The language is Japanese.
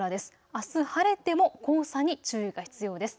あす晴れても黄砂に注意が必要です。